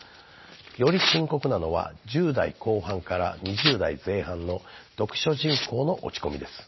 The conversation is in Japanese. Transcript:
より深刻なのは１０代後半から２０代前半の読書人口の落ち込みです。